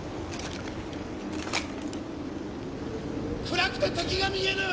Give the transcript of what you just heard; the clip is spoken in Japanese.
暗くて敵が見えぬ！